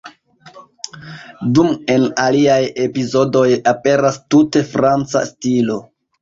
Dum en aliaj epizodoj aperas tute franca stilo.